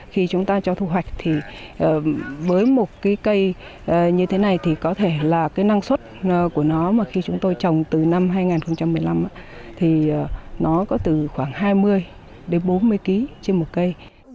khi chúng ta cho thu hoạch thì với một cái cây như thế này thì có thể là cái năng suất của nó mà khi chúng tôi trồng từ năm hai nghìn một mươi năm thì nó có từ khoảng hai mươi đến bốn mươi kg trên một cây